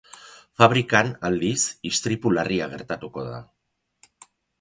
Fabrikan, aldiz, istripu larria gertatuko da.